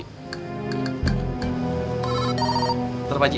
ntar pak haji